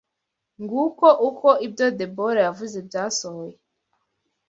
Nguko uko ibyo Debora yavuze byasohoye